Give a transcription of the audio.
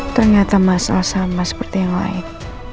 ternyata mas osama seperti yang lain